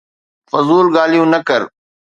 فضول ڳالهيون نه ڪر